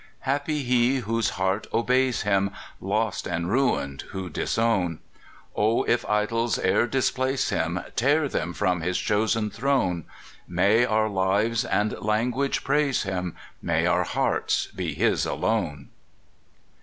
Happy he whose heart obeys him! Lost and ruined who disown! O if idols e'er displace him, Tear them from his chosen throne! May our lives and language praise him! May our hearts be his alone!